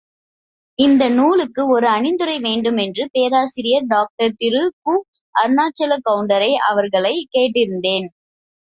இந்த நூலுக்கு ஓர் அணிந்துரை வேண்டுமென்று, பேராசிரியர் டாக்டர் திரு கு. அருணாசலக்கவுண்டர் அவர்களைக் கேட்டிருந்தேன்.